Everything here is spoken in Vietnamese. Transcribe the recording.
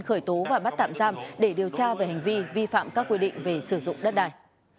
khởi tố và bắt tạm giam để điều tra về hành vi vi phạm các quy định về sử dụng đất đài